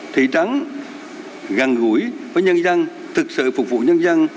thị trấn găng gũi với nhân dân thực sự phục vụ nhân dân